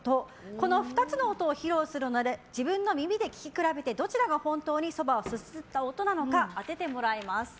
この２つの音を披露するので自分の耳で聞き比べてどちらが本当にそばをすすった音なのか当ててもらいます。